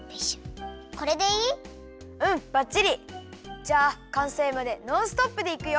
じゃあかんせいまでノンストップでいくよ！